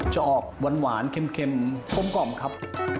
จะออกหวานเค็มกลมครับ